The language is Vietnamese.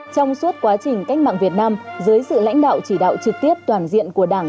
trong suốt quá trình cách mạng việt nam dưới sự lãnh đạo chỉ đạo trực tiếp toàn diện của đảng